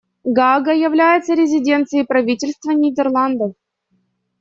Гаага является резиденцией правительства Нидерландов.